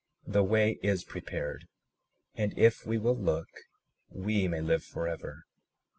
The way is prepared, and if we will look we may live forever.